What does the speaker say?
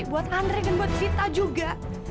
buat andre dan buat sita juga